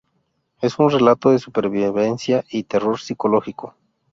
Es un relato de supervivencia y terror psicológico.